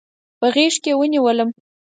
په غېږ کې ونیولم.